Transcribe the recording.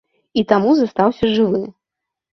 І таму застаўся жывы.